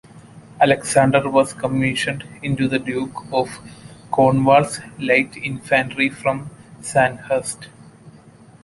Alexander was commissioned into the Duke of Cornwall's Light Infantry from Sandhurst.